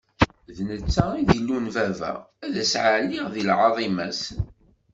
D netta i d Illu n baba, ad ssaɛliɣ di lɛaḍima-s.